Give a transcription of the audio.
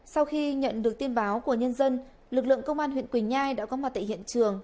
sau khi nhận được tin báo của nhân dân lực lượng công an huyện quỳnh nhai đã có mặt tại hiện trường